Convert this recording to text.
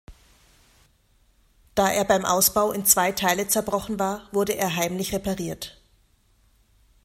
Da er beim Ausbau in zwei Teile zerbrochen war, wurde er heimlich repariert.